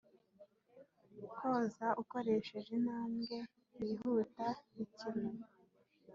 kwoza ukoresheje intambwe yihuta ikime,